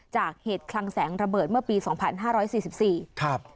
จากเหตุคลังแสงระเบิดเมื่อปี๒๕๔๔ครับ